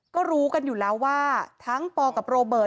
ก็รู้กันอยู่แล้วว่าทั้งปกับโรเบิร์ต